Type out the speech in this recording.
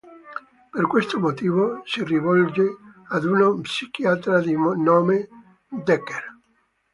Per questo motivo si rivolge ad uno psichiatra di nome Decker.